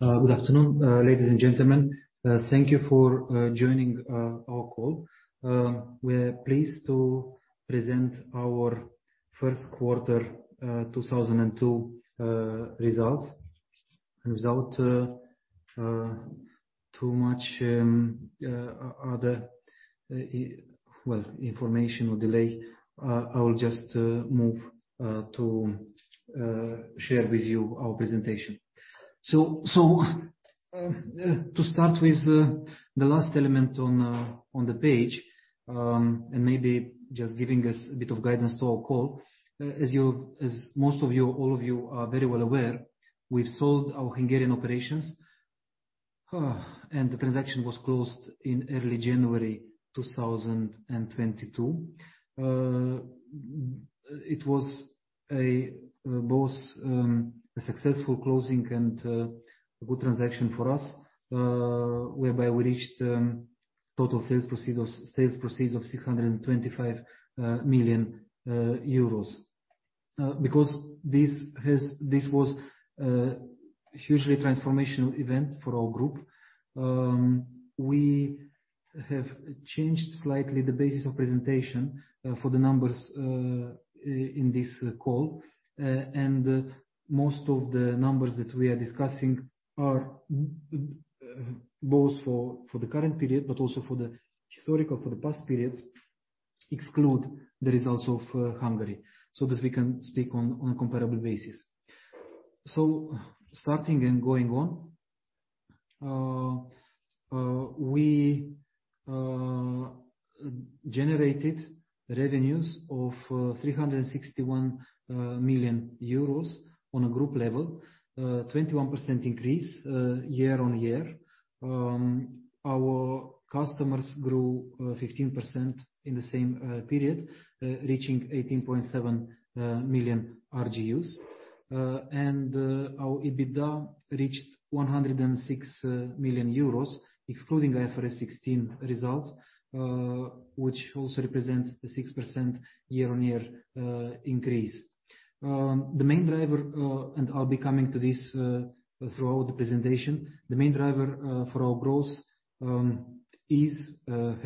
Good afternoon, ladies and gentlemen, thank you for joining our call. We're pleased to present our first quarter 2022 results. Without too much other well information or delay, I will just move to share with you our presentation. To start with the last element on the page and maybe just giving us a bit of guidance to our call. As most of you or all of you are very well aware, we've sold our Hungarian operations, and the transaction was closed in early January 2022. It was both a successful closing and a good transaction for us, whereby we reached total sales proceeds of 625 million euros. Because this was hugely transformational event for our group, we have changed slightly the basis of presentation for the numbers in this call. Most of the numbers that we are discussing are both for the current period, but also for the historical past periods, exclude the results of Hungary, so that we can speak on a comparable basis. Starting and going on, we generated revenues of 361 million euros on a group level, 21% increase year-on-year. Our customers grew 15% in the same period, reaching 18.7 million RGUs. Our EBITDA reached 106 million euros, excluding IFRS 16 results, which also represents the 6% year-on-year increase. The main driver, and I'll be coming to this throughout the presentation. The main driver for our growth is the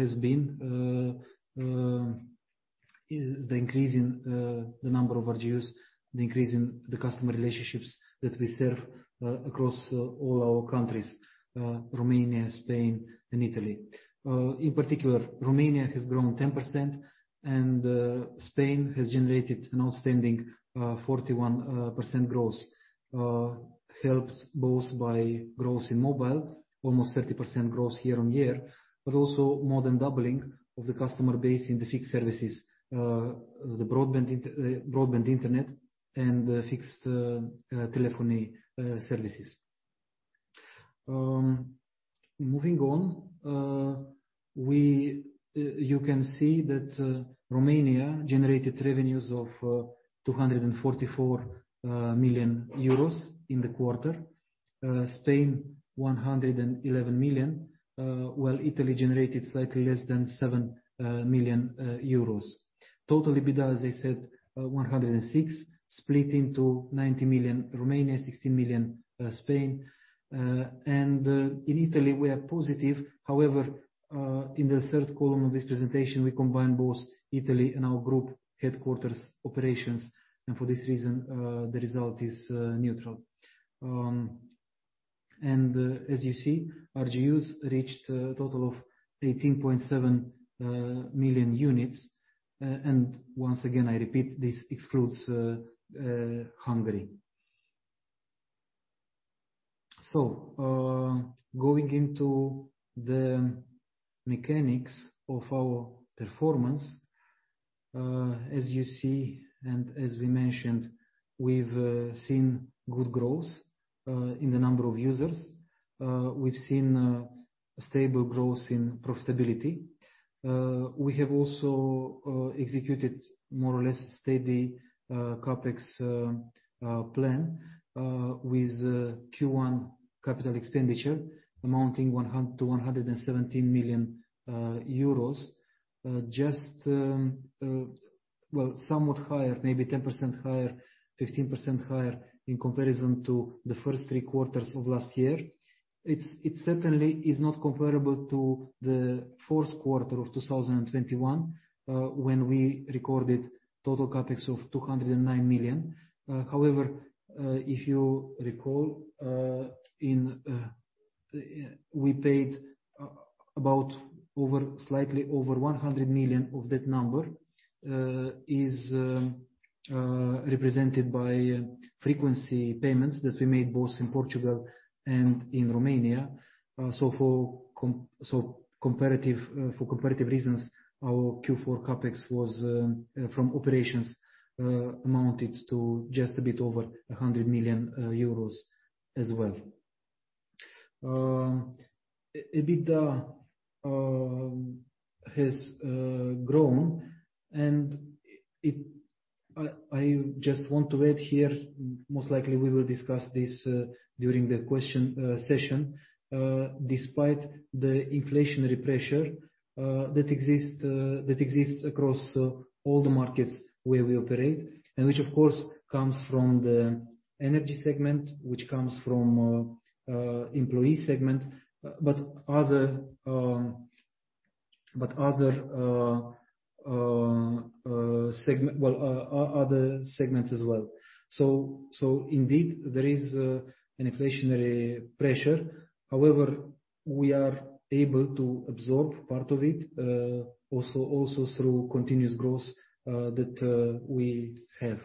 increase in the number of RGUs, the increase in the customer relationships that we serve across all our countries, Romania, Spain, and Italy. In particular, Romania has grown 10% and Spain has generated an outstanding 41% growth, helped both by growth in mobile, almost 30% growth year-on-year, but also more than doubling of the customer base in the fixed services, as the broadband internet and the fixed telephony services. Moving on, you can see that Romania generated revenues of 244 million euros in the quarter. Spain 111 million. Total EBITDA, as I said, 106 million, split into 90 million Romania, 60 million Spain. In Italy, we are positive. However, in the third column of this presentation, we combine both Italy and our group headquarters operations, and for this reason, the result is neutral. As you see, RGUs reached a total of 18.7 million units. Once again, I repeat, this excludes Hungary. Going into the mechanics of our performance, as you see, and as we mentioned, we've seen good growth in the number of users. We've seen stable growth in profitability. We have also executed more or less steady CapEx plan, with Q1 capital expenditure amounting to 117 million euros. Just, well, somewhat higher, maybe 10% higher, 15% higher in comparison to the first three quarters of last year. It certainly is not comparable to the fourth quarter of 2021, when we recorded total CapEx of 209 million. However, if you recall, we paid slightly over 100 million of that number is represented by frequency payments that we made both in Portugal and in Romania. So, for competitive reasons, our Q4 CapEx from operations amounted to just a bit over 100 million euros as well. EBITDA has grown, and I just want to add here, most likely we will discuss this during the question session. Despite the inflationary pressure that exists across all the markets where we operate, and which of course comes from the energy segment, from the employee segment, but other, well, other segments as well. Indeed there is an inflationary pressure. However, we are able to absorb part of it also through continuous growth that we have.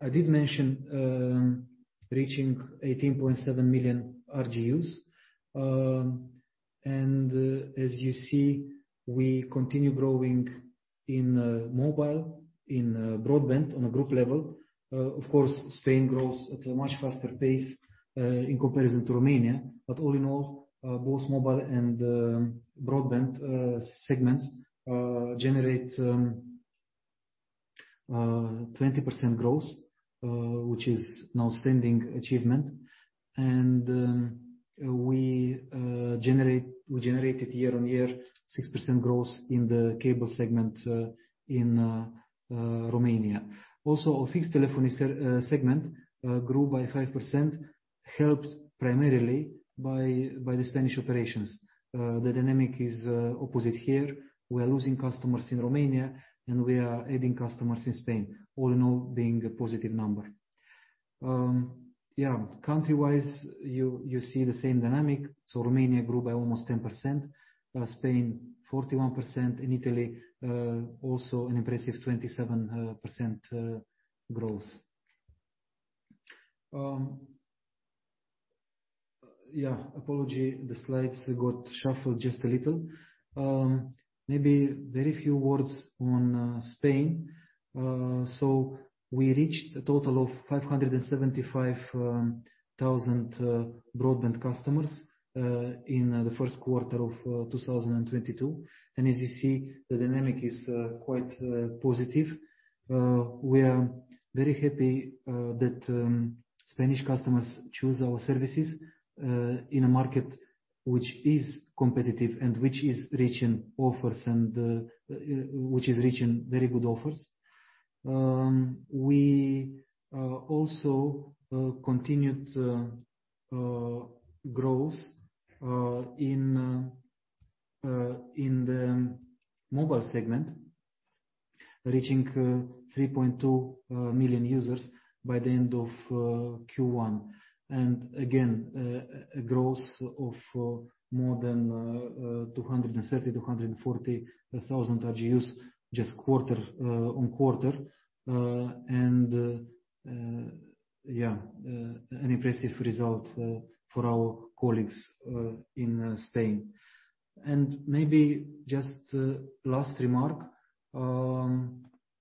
I did mention reaching 18.7 million RGUs. As you see, we continue growing in mobile, in broadband on a group level. Of course, Spain grows at a much faster pace in comparison to Romania. All in all, both mobile and broadband segments generate 20% growth, which is an outstanding achievement. We generated year-over-year 6% growth in the cable segment in Romania. Our fixed telephony segment grew by 5%, helped primarily by the Spanish operations. The dynamic is opposite here. We are losing customers in Romania, and we are adding customers in Spain, all in all being a positive number. Country-wise, you see the same dynamic. Romania grew by almost 10%, Spain 41%, in Italy also an impressive 27% growth. Apologies, the slides got shuffled just a little. Maybe very few words on Spain. We reached a total of 575,000 broadband customers in the first quarter of 2022. As you see, the dynamic is quite positive. We are very happy that Spanish customers choose our services in a market which is competitive and which is rich in offers and which is rich in very good offers. We also continued growth in the mobile segment, reaching 3.2 million users by the end of Q1. Again, a growth of more than 230-240 thousand RGUs quarter-over-quarter. Yeah, an impressive result for our colleagues in Spain. Maybe just a last remark.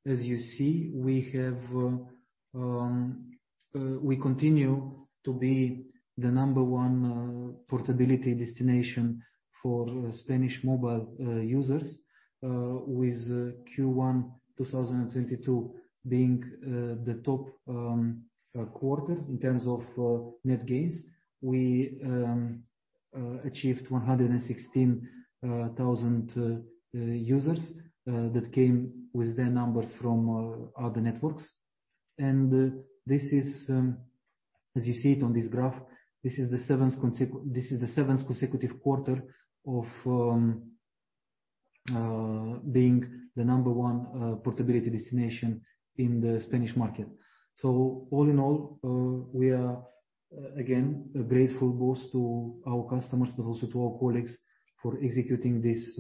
As you see, we continue to be the number one portability destination for Spanish mobile users, with Q1 2022 being the top quarter in terms of net gains. We achieved 116,000 users that came with their numbers from other networks. This is, as you see it on this graph, the seventh consecutive quarter of being the number one portability destination in the Spanish market. All in all, we are again grateful both to our customers, but also to our colleagues for executing this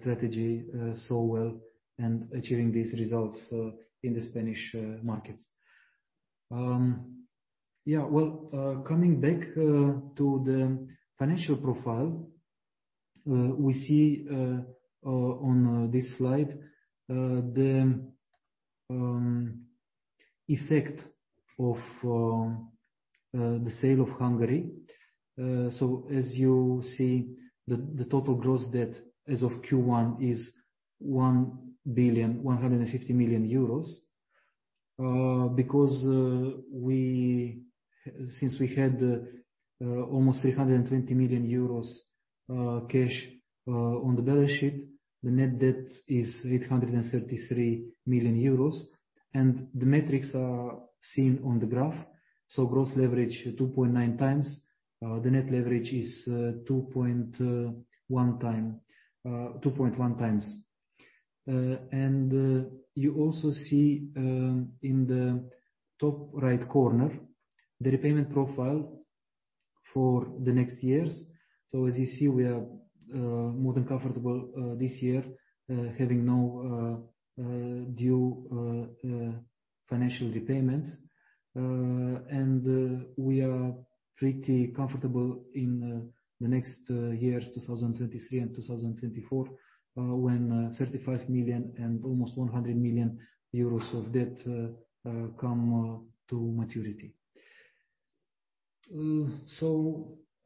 strategy so well and achieving these results in the Spanish markets. Yeah, well, coming back to the financial profile, we see on this slide the effect of the sale of Hungary. So as you see, the total gross debt as of Q1 is 1.15 billion. Because, since we had almost 320 million euros cash on the balance sheet, the net debt is 833 million euros. The metrics are seen on the graph. Gross leverage 2.9x. The net leverage is 2.1x. You also see in the top right corner the repayment profile for the next years. As you see, we are more than comfortable this year having no due financial repayments. We are pretty comfortable in the next years, 2023 and 2024, when 35 million and almost 100 million euros of debt come to maturity.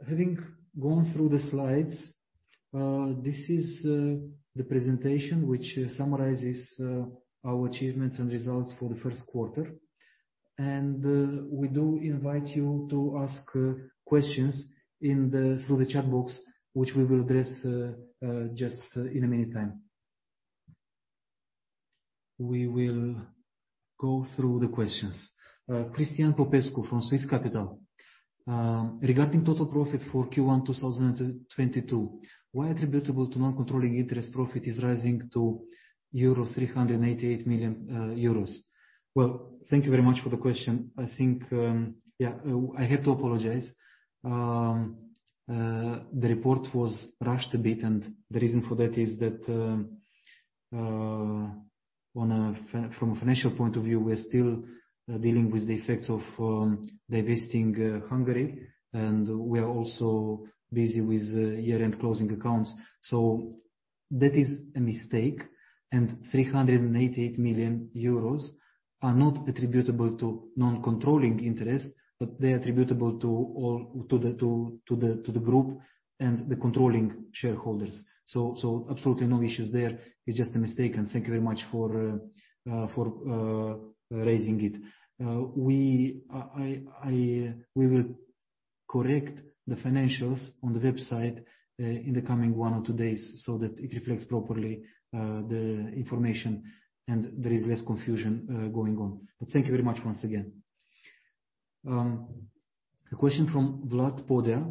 Having gone through the slides, this is the presentation which summarizes our achievements and results for the first quarter. We do invite you to ask questions through the chat box, which we will address just in a minute's time. We will go through the questions. Christian Popescu from Swiss Capital. Regarding total profit for Q1 2022, why attributable to non-controlling interest profit is rising to 388 million euros? Well, thank you very much for the question. I think, yeah, I have to apologize. The report was rushed a bit, and the reason for that is that, from a financial point of view, we're still dealing with the effects of divesting Digi Hungary, and we are also busy with year-end closing accounts. That is a mistake, and 388 million euros are not attributable to non-controlling interests, but they are attributable to all to the group and the controlling shareholders. Absolutely no issues there. It's just a mistake, and thank you very much for raising it. We will correct the financials on the website in the coming one or two days so that it reflects properly the information and there is less confusion going on. Thank you very much once again. A question from Vlad Podea.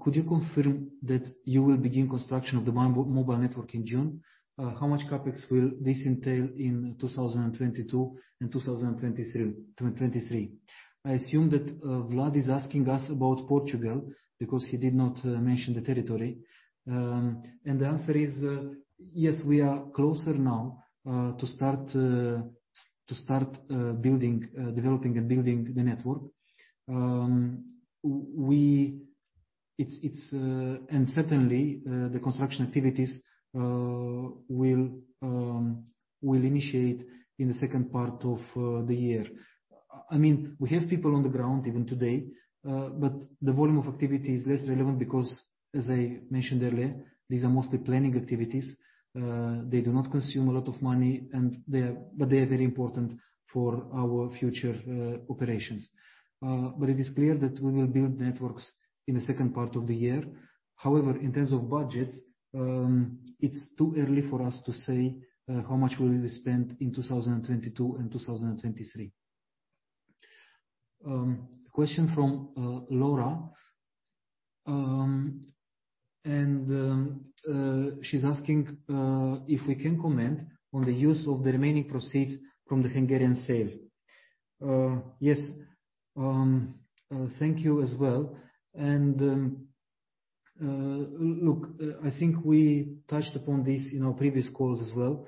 Could you confirm that you will begin construction of the mobile network in June? How much CapEx will this entail in 2022 and 2023? I assume that Vlad is asking us about Portugal because he did not mention the territory. The answer is yes, we are closer now to start building, developing and building the network. Certainly, the construction activities will initiate in the second part of the year. I mean, we have people on the ground even today, but the volume of activity is less relevant because as I mentioned earlier, these are mostly planning activities. They do not consume a lot of money, and they are very important for our future operations. It is clear that we will build networks in the second part of the year. However, in terms of budget, it's too early for us to say how much we will spend in 2022 and 2023. A question from Laura. She's asking if we can comment on the use of the remaining proceeds from the Hungarian sale. Yes. Thank you as well. Look, I think we touched upon this in our previous calls as well.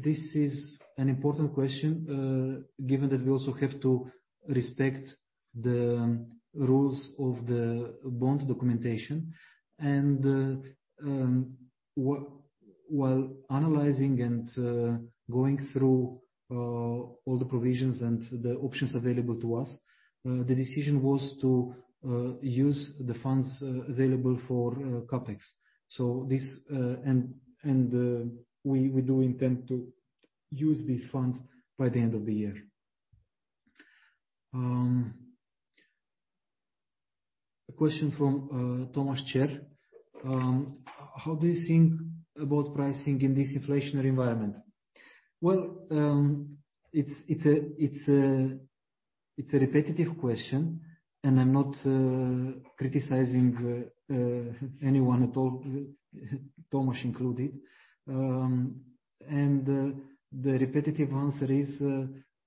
This is an important question, given that we also have to respect the rules of the bond documentation. While analyzing and going through all the provisions and the options available to us, the decision was to use the funds available for CapEx. This, and we do intend to use these funds by the end of the year. A question from Tomáš Chére. How do you think about pricing in this inflationary environment? Well, it's a repetitive question, and I'm not criticizing anyone at all, Thomas included. The repetitive answer is,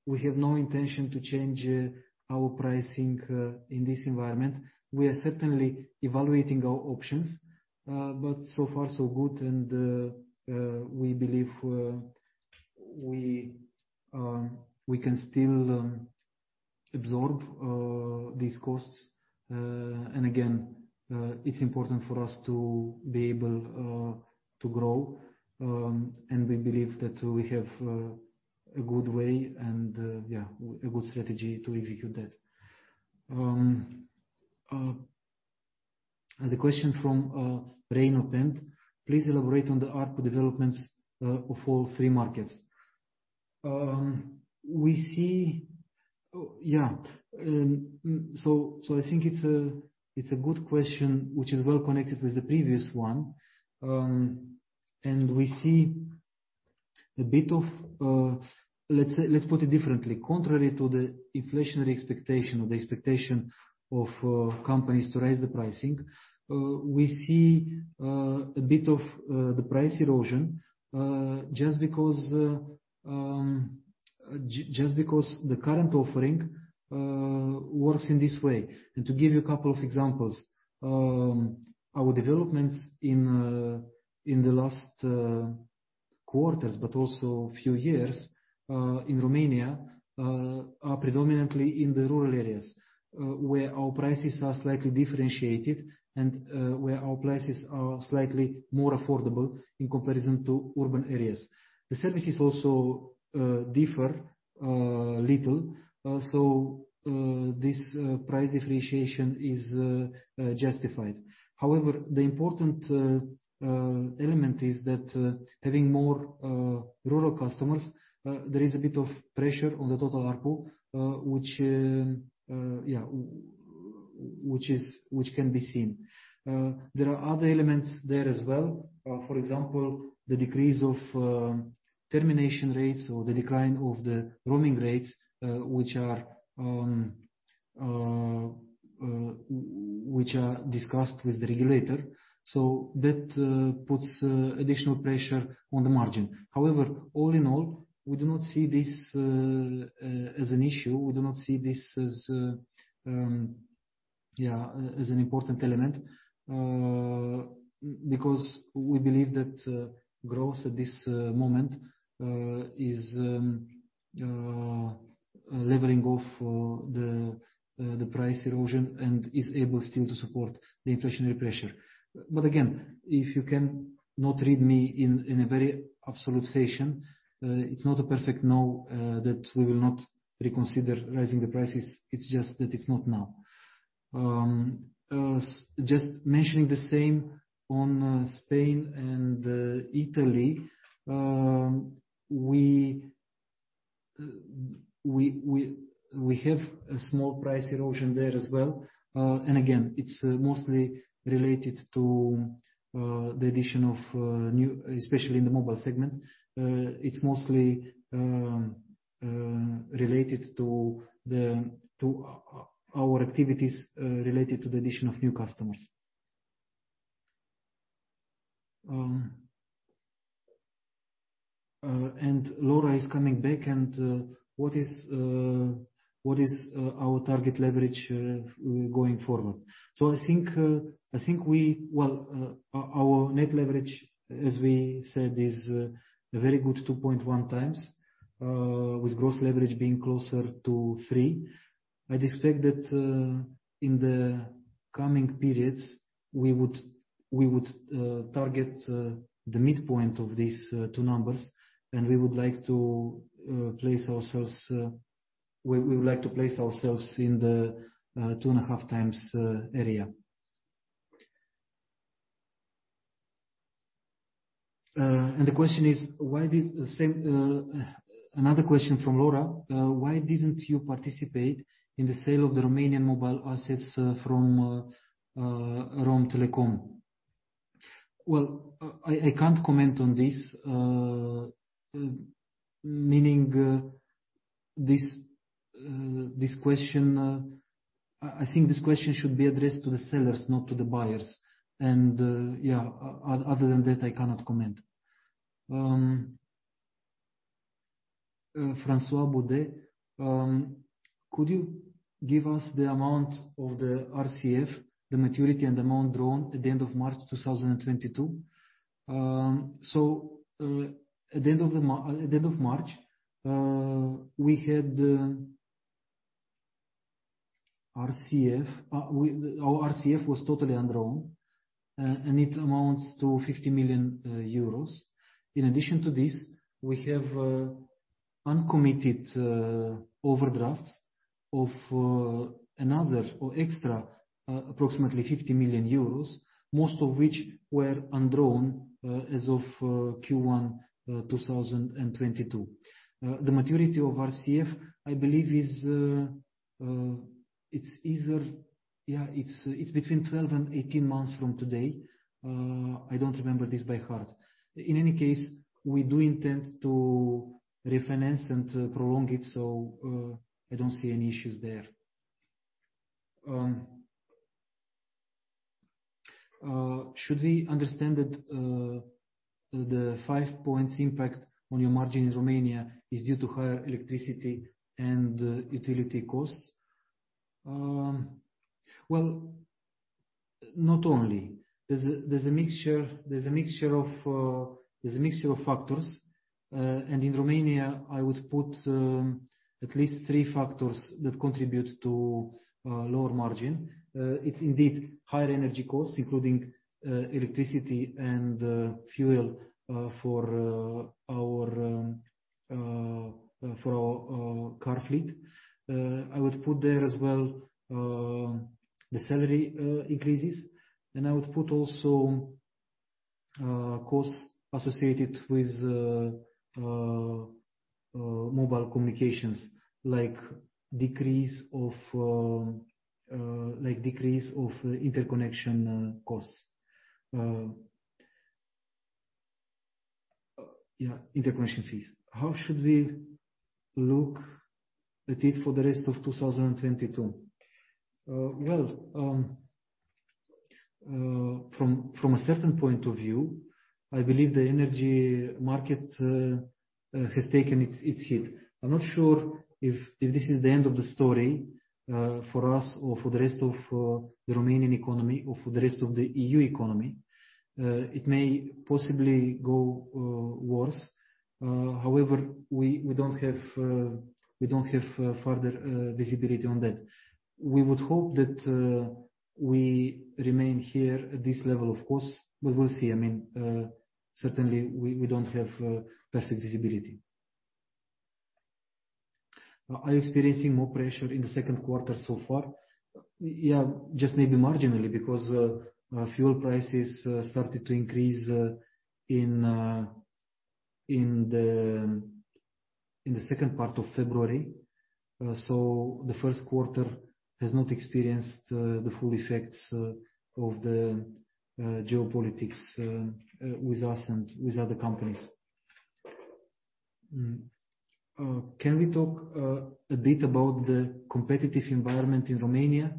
we have no intention to change our pricing in this environment. We are certainly evaluating our options, but so far so good. We believe we can still absorb these costs. Again, it's important for us to be able to grow, and we believe that we have a good way and, yeah, a good strategy to execute that. The question from Reino Pent. Please elaborate on the ARPU developments of all three markets. We see. Yeah. So I think it's a good question, which is well connected with the previous one. We see a bit of, let's say, let's put it differently. Contrary to the inflationary expectation or the expectation of companies to raise the pricing, we see a bit of the price erosion, just because the current offering works in this way. To give you a couple of examples, our developments in the last quarters, but also few years, in Romania, are predominantly in the rural areas, where our prices are slightly differentiated and where our prices are slightly more affordable in comparison to urban areas. The services also differ little, so this price differentiation is justified. However, the important element is that having more rural customers, there is a bit of pressure on the total ARPU, which can be seen. There are other elements there as well. For example, the decrease of termination rates or the decline of the roaming rates, which are discussed with the regulator. That puts additional pressure on the margin. However, all in all, we do not see this as an issue. We do not see this as an important element, because we believe that growth at this moment is leveling off for the price erosion and is able still to support the inflationary pressure. Again, if you can not read me in a very absolute fashion, it's not a perfect no that we will not reconsider raising the prices. It's just that it's not now. Just mentioning the same on Spain and Italy. We have a small price erosion there as well. It's mostly related to the addition of new customers, especially in the mobile segment. It's mostly related to our activities related to the addition of new customers. Laura is coming back. What is our target leverage going forward? I think we. Well, our net leverage, as we said, is a very good 2.1x, with gross leverage being closer to three. I'd expect that in the coming periods, we would target the midpoint of these two numbers, and we would like to place ourselves in the 2.5x area. Another question from Laura, why didn't you participate in the sale of the Romanian mobile assets from Romtelecom? Well, I can't comment on this, meaning this question, I think this question should be addressed to the sellers, not to the buyers. Yeah, other than that, I cannot comment. François Bouvignies, could you give us the amount of the RCF, the maturity and amount drawn at the end of March 2022? At the end of March, we had RCF. Our RCF was totally undrawn, and it amounts to 50 million euros. In addition to this, we have uncommitted overdrafts of another or extra approximately 50 million euros, most of which were undrawn as of Q1 2022. The maturity of RCF, I believe, is between 12 and 18 months from today. I don't remember this by heart. In any case, we do intend to refinance and to prolong it, so I don't see any issues there. Should we understand that the 5 points impact on your margin in Romania is due to higher electricity and utility costs? Well, not only. There's a mixture of factors. In Romania, I would put at least three factors that contribute to lower margin. It's indeed higher energy costs, including electricity and fuel for our car fleet. I would put there as well the salary increases, and I would put also costs associated with mobile communications, like decrease of interconnection costs. Yeah, interconnection fees. How should we look at it for the rest of 2022? Well, from a certain point of view, I believe the energy market has taken its hit. I'm not sure if this is the end of the story for us or for the rest of the Romanian economy or for the rest of the EU economy. It may possibly go worse. However, we don't have further visibility on that. We would hope that we remain here at this level of costs, but we'll see. I mean, certainly we don't have perfect visibility. Are you experiencing more pressure in the second quarter so far? Yeah, just maybe marginally because fuel prices started to increase in the second part of February, so the first quarter has not experienced the full effects of the geopolitics with us and with other companies. Can we talk a bit about the competitive environment in Romania?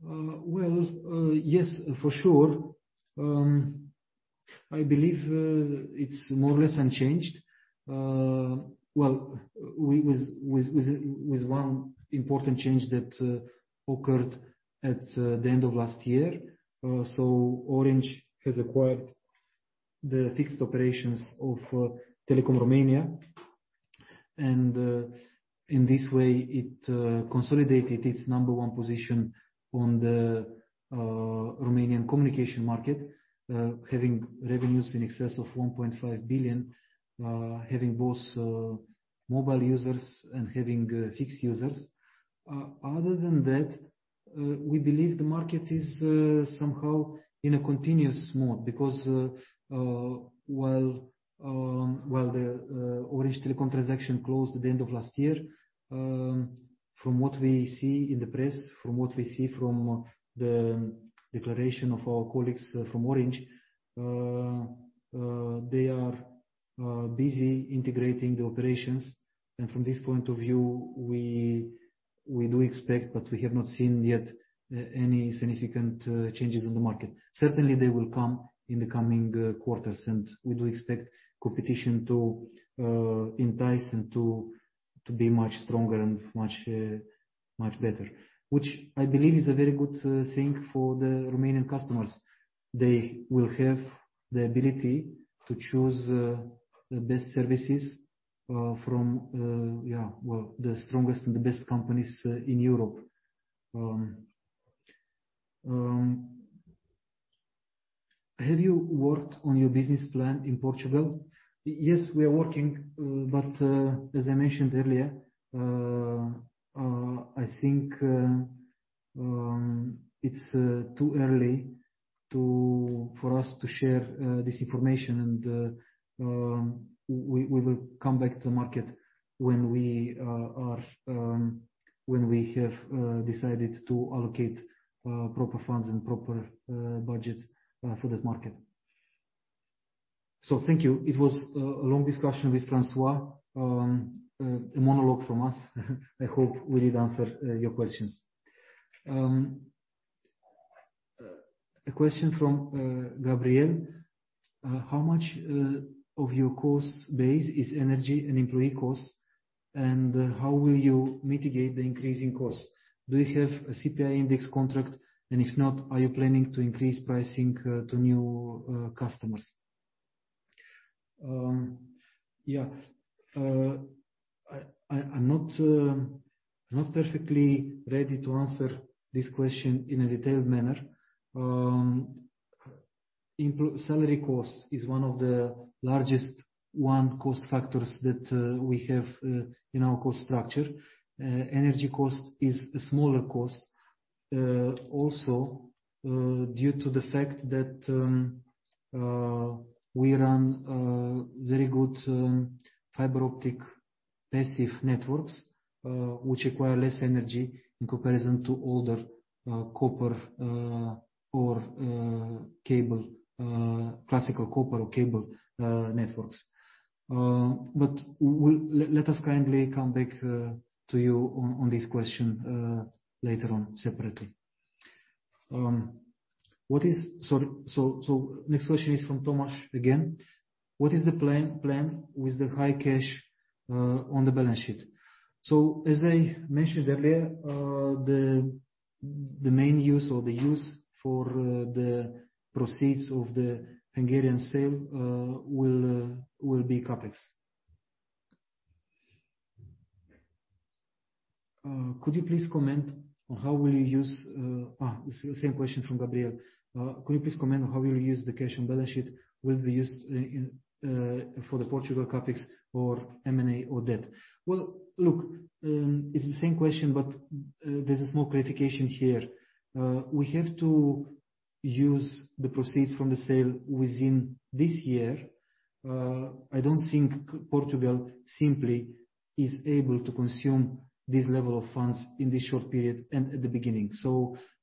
Well, yes, for sure. I believe it's more or less unchanged. Well, with one important change that occurred at the end of last year. Orange has acquired the fixed operations of Telekom Romania. In this way, it consolidated its number one position on the Romanian communication market, having revenues in excess of 1.5 billion, having both mobile users and having fixed users. Other than that, we believe the market is somehow in a continuous mode because while the Orange Telekom Romania transaction closed at the end of last year, from what we see in the press, from what we see from the declaration of our colleagues from Orange, they are busy integrating the operations. From this point of view, we do expect, but we have not seen yet any significant changes in the market. Certainly, they will come in the coming quarters, and we do expect competition to intensify and to be much stronger and much better, which I believe is a very good thing for the Romanian customers. They will have the ability to choose the best services from the strongest and the best companies in Europe. Have you worked on your business plan in Portugal? Yes, we are working, but as I mentioned earlier, I think it's too early for us to share this information, and we will come back to market when we have decided to allocate proper funds and proper budget for this market. Thank you. It was a long discussion with Francois, a monologue from us. I hope we did answer your questions. A question from Gabrielle: How much of your cost base is energy and employee costs, and how will you mitigate the increasing costs? Do you have a CPI index contract, and if not, are you planning to increase pricing to new customers? Yeah. I'm not perfectly ready to answer this question in a detailed manner. Salary cost is one of the largest cost factors that we have in our cost structure. Energy cost is a smaller cost, also, due to the fact that we run very good fiber optic passive networks, which require less energy in comparison to older copper or cable, classical copper or cable networks. Let us kindly come back to you on this question later on separately. Next question is from Tomas again: What is the plan with the high cash on the balance sheet? As I mentioned earlier, the main use or the use for the proceeds of the Hungarian sale will be CapEx. The same question from Gabrielle. Could you please comment on how you'll use the cash on balance sheet? Will it be used in for the Portugal CapEx or M&A or debt? Well, look, it's the same question, but there's a small clarification here. We have to use the proceeds from the sale within this year. I don't think Portugal simply is able to consume this level of funds in this short period and at the beginning.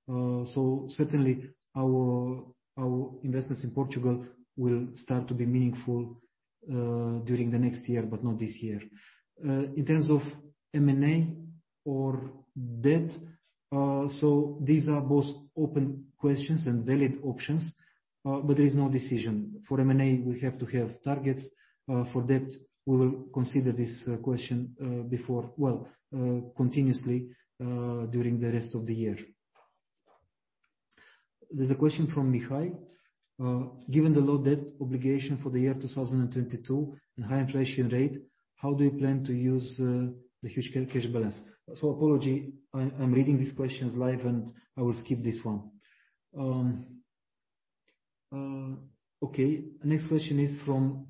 Certainly our investments in Portugal will start to be meaningful during the next year, but not this year. In terms of M&A or debt, these are both open questions and valid options, but there is no decision. For M&A, we have to have targets. For debt, we will consider this question continuously during the rest of the year. There's a question from Mihai: Given the low debt obligation for the year 2022 and high inflation rate, how do you plan to use the huge cash balance? Apologies, I'm reading these questions live, and I will skip this one. Next question is from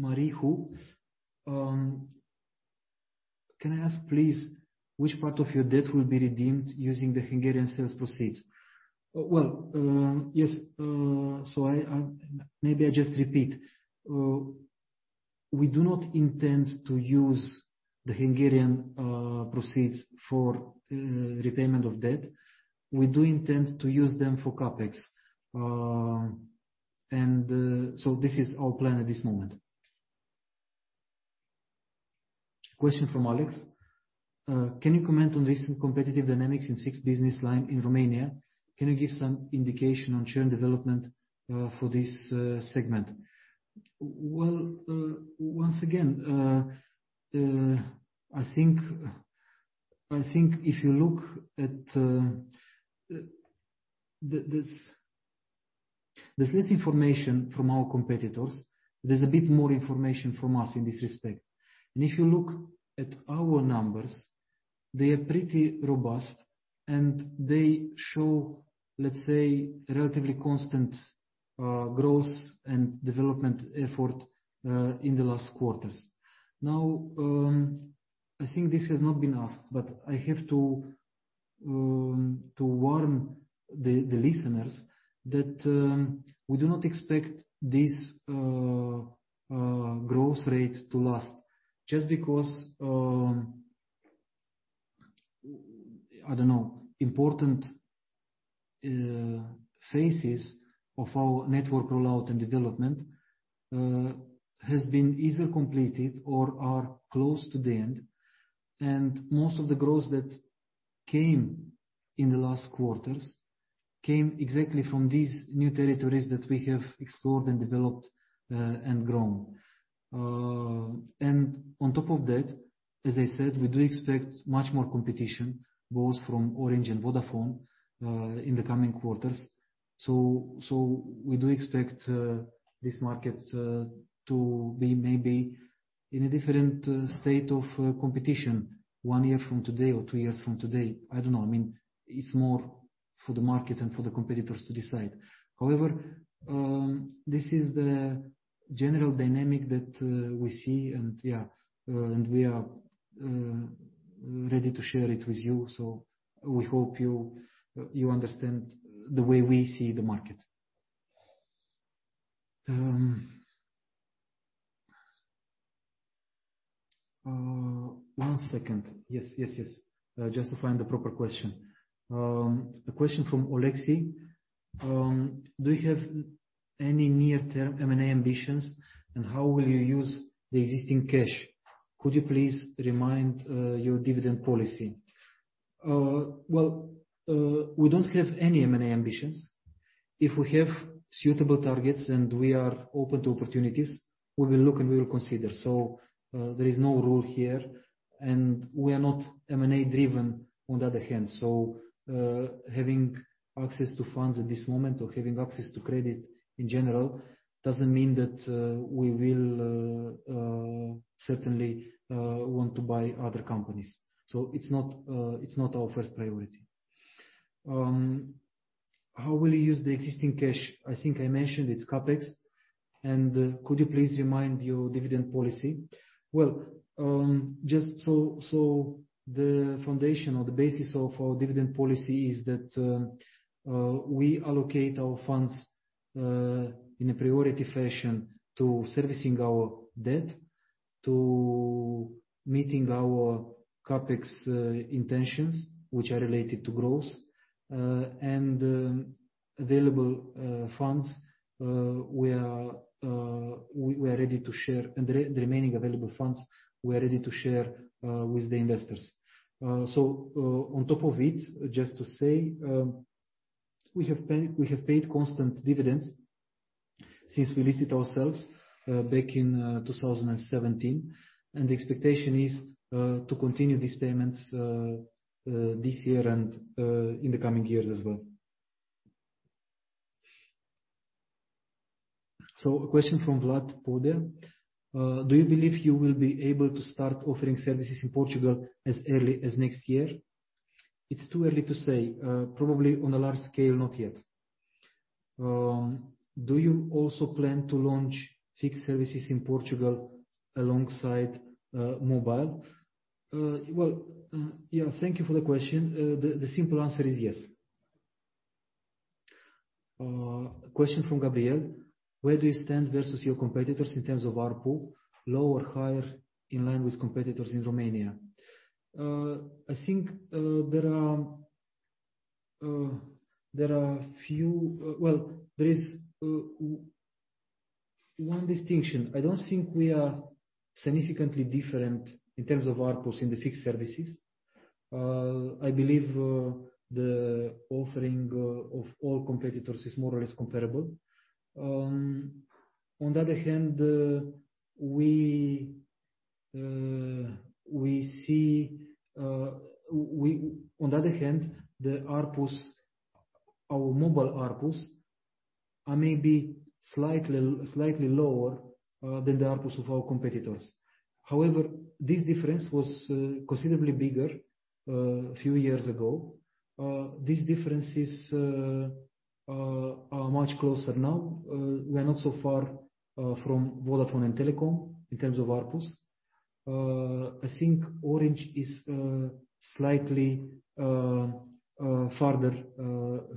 Marihu: Can I ask, please, which part of your debt will be redeemed using the Hungarian sales proceeds? Yes. We do not intend to use the Hungarian proceeds for repayment of debt. We do intend to use them for CapEx. This is our plan at this moment. Question from Alex: Can you comment on recent competitive dynamics in fixed business line in Romania? Can you give some indication on churn development for this segment? Once again, I think if you look at this. There's less information from our competitors. There's a bit more information from us in this respect. If you look at our numbers, they are pretty robust, and they show, let's say, relatively constant growth and development effort in the last quarters. Now, I think this has not been asked, but I have to warn the listeners that we do not expect this growth rate to last just because important phases of our network rollout and development has been either completed or are close to the end. Most of the growth that came in the last quarters came exactly from these new territories that we have explored and developed, and grown. On top of that, as I said, we do expect much more competition, both from Orange and Vodafone, in the coming quarters. We do expect these markets to be maybe in a different state of competition one year from today or two years from today. I don't know. I mean, it's more for the market and for the competitors to decide. However, this is the general dynamic that we see, and we are ready to share it with you. We hope you understand the way we see the market. One second. Yes. Just to find the proper question. A question from Alexi: Do you have any near-term M&A ambitions, and how will you use the existing cash? Could you please remind your dividend policy? Well, we don't have any M&A ambitions. If we have suitable targets and we are open to opportunities, we will look and we will consider. There is no rule here, and we are not M&A-driven on the other hand. Having access to funds at this moment or having access to credit in general doesn't mean that we will certainly want to buy other companies. It's not our first priority. How will you use the existing cash? I think I mentioned it's CapEx. Could you please remind your dividend policy? The foundation or the basis of our dividend policy is that we allocate our funds in a priority fashion to servicing our debt, to meeting our CapEx intentions, which are related to growth. Available funds we are ready to share. Remaining available funds, we are ready to share with the investors. On top of it, just to say, we have paid constant dividends since we listed ourselves back in 2017. The expectation is to continue these payments this year and in the coming years as well. A question from Vlad Pipoș: Do you believe you will be able to start offering services in Portugal as early as next year? It's too early to say. Probably on a large scale, not yet. Do you also plan to launch fixed services in Portugal alongside mobile? Well, yeah, thank you for the question. The simple answer is yes. A question from Gabriel: Where do you stand versus your competitors in terms of ARPU, low or higher in line with competitors in Romania? I think, well, there is one distinction. I don't think we are significantly different in terms of ARPUs in the fixed services. I believe the offering of all competitors is more or less comparable. On the other hand, the ARPUs, our mobile ARPUs are maybe slightly lower than the ARPUs of our competitors. However, this difference was considerably bigger a few years ago. This difference is much closer now. We are not so far from Vodafone and Telekom in terms of ARPU. I think Orange is slightly farther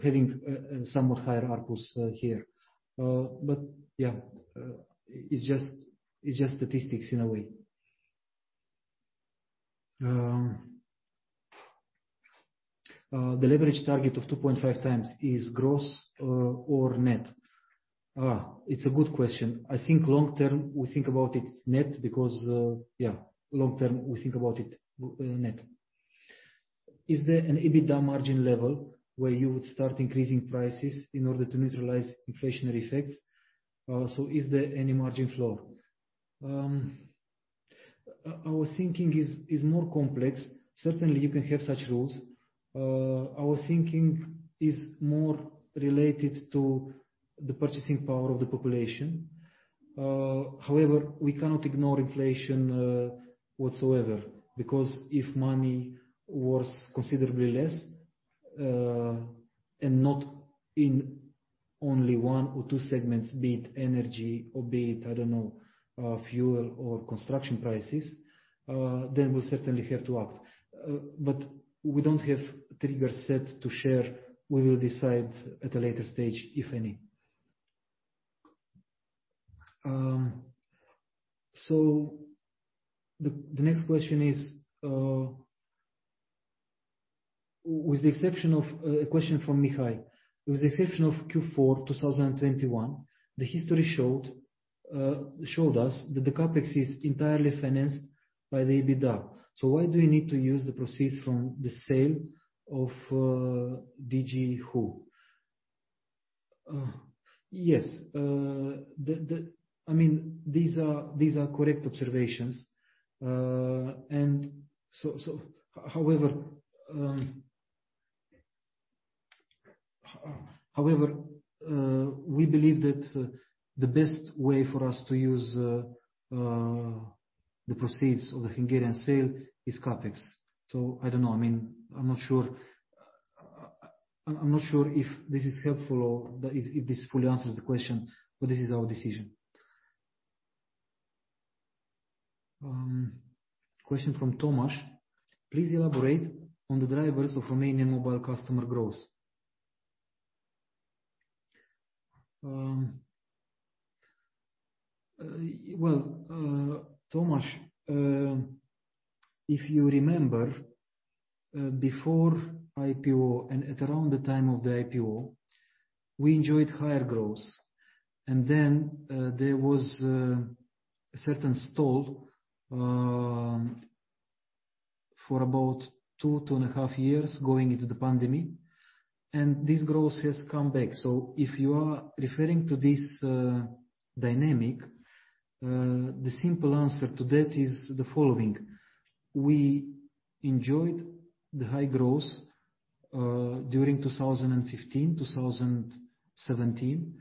having somewhat higher ARPU here. But yeah, it's just statistics in a way. The leverage target of 2.5 times is gross or net? It's a good question. I think long term we think about it net because yeah, long term we think about it net. Is there an EBITDA margin level where you would start increasing prices in order to neutralize inflationary effects? So is there any margin floor? Our thinking is more complex. Certainly you can have such rules. Our thinking is more related to the purchasing power of the population. However, we cannot ignore inflation whatsoever, because if money worth considerably less, and not in only one or two segments, be it energy or be it, I don't know, fuel or construction prices, then we certainly have to act. We don't have triggers set to share. We will decide at a later stage, if any. The next question is, with the exception of a question from Mihai. With the exception of Q4 2021, the history showed us that the CapEx is entirely financed by the EBITDA. Why do you need to use the proceeds from the sale of Digi Hungary? Yes, the. I mean, these are correct observations. However, we believe that the best way for us to use the proceeds of the Hungarian sale is CapEx. I don't know. I mean, I'm not sure if this is helpful or if this fully answers the question, but this is our decision. Question from Tomas. Please elaborate on the drivers of Romanian mobile customer growth. Well, Tomas, if you remember, before IPO and at around the time of the IPO, we enjoyed higher growth. Then, there was a certain stall for about two and a half years going into the pandemic. This growth has come back. If you are referring to this, dynamic, the simple answer to that is the following: We enjoyed the high growth during 2015, 2017.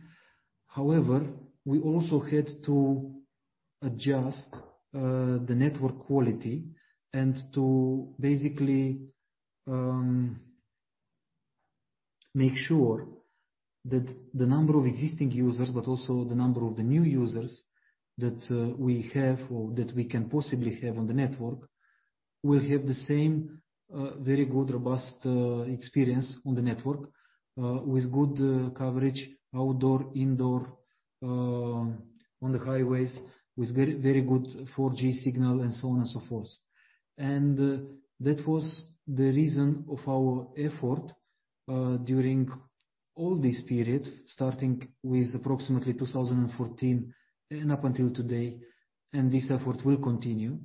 However, we also had to adjust the network quality and to basically make sure that the number of existing users, but also the number of the new users that we have or that we can possibly have on the network, will have the same very good, robust experience on the network with good coverage outdoor, indoor on the highways, with very, very good 4G signal and so on and so forth. That was the reason of our effort during all this period, starting with approximately 2014 and up until today, and this effort will continue.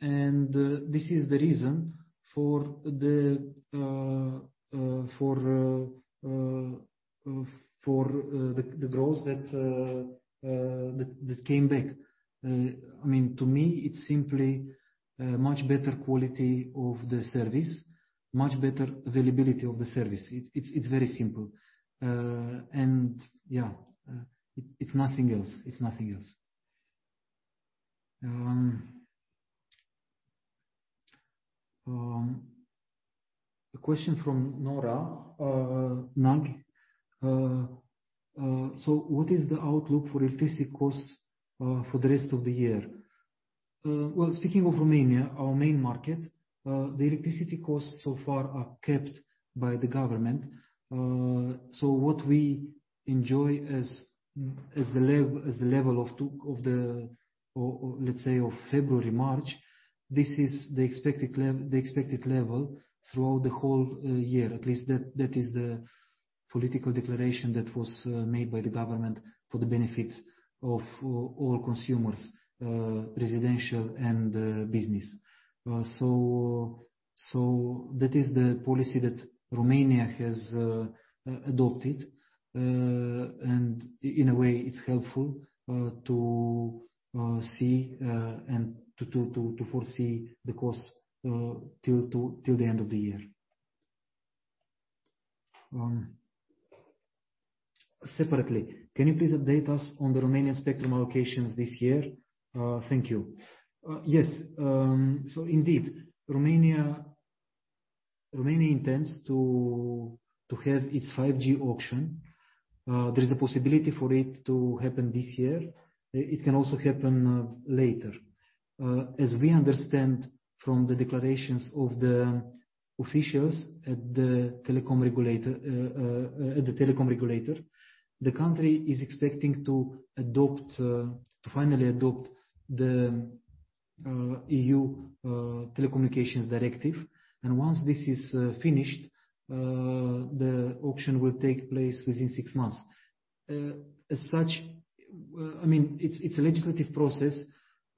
This is the reason for the growth that came back. I mean, to me it's simply a much better quality of the service, much better availability of the service. It's very simple. It's nothing else. A question from Nora Nagy. What is the outlook for electricity costs for the rest of the year? Well, speaking of Romania, our main market, the electricity costs so far are capped by the government. What we enjoy as the level of, let's say, February, March, this is the expected level throughout the whole year. At least that is the political declaration that was made by the government for the benefit of all consumers, residential and business. That is the policy that Romania has adopted. In a way it's helpful to see and to foresee the cost till the end of the year. Separately, can you please update us on the Romanian spectrum allocations this year? Thank you. Yes. Indeed, Romania intends to have its 5G auction. There is a possibility for it to happen this year. It can also happen later. As we understand from the declarations of the officials at the telecom regulator, the country is expecting to finally adopt the EU telecommunications directive. Once this is finished, the auction will take place within six months. As such, I mean, it's a legislative process.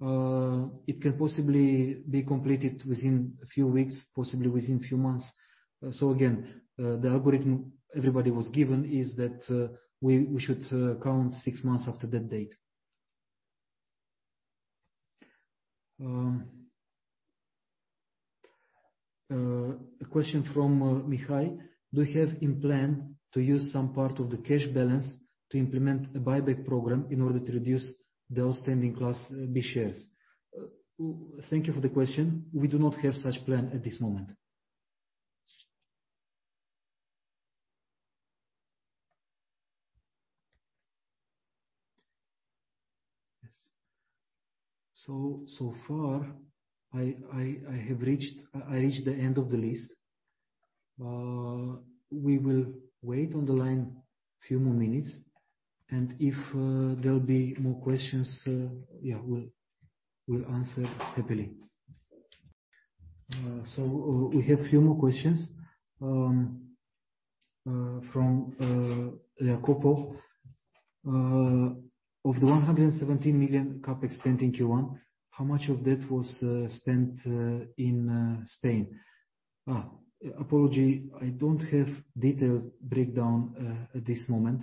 It can possibly be completed within a few weeks, possibly within few months. Again, the algorithm everybody was given is that, we should count six months after that date. A question from Mihai: Do you have in plan to use some part of the cash balance to implement a buyback program in order to reduce the outstanding class B shares? Thank you for the question. We do not have such plan at this moment. Yes. So far, I have reached the end of the list. We will wait on the line few more minutes, and if there'll be more questions, yeah, we'll answer happily. We have a few more questions from Jacopo. Of the 117 million CapEx spent in Q1, how much of that was spent in Spain? Apology, I don't have detailed breakdown at this moment,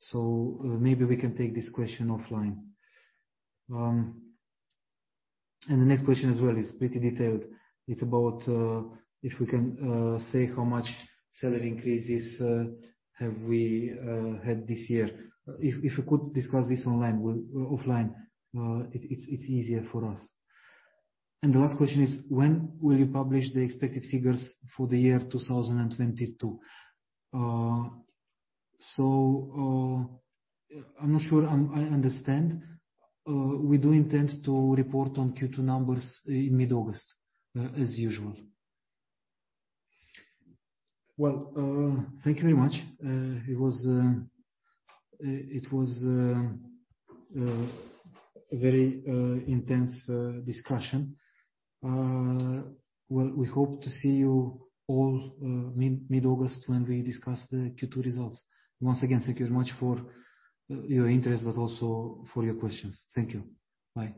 so maybe we can take this question offline. The next question as well is pretty detailed. It's about if we can say how much salary increases have we had this year. If you could discuss this offline, it's easier for us. The last question is, when will you publish the expected figures for the year 2022? I'm not sure I understand. We do intend to report on Q2 numbers in mid-August, as usual. Well, thank you very much. It was a very intense discussion. Well, we hope to see you all mid-August when we discuss the Q2 results. Once again, thank you very much for your interest, but also for your questions. Thank you. Bye.